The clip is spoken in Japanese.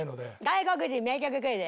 外国人名曲クイズ。